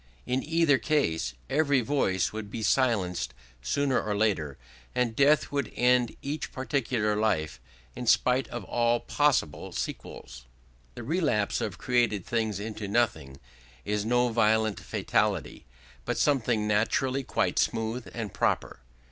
In either case every voice would be silenced sooner or later, and death would end each particular life, in spite of all possible sequels. The relapse of created things into nothing is no violent fatality, but something naturally quite smooth and proper.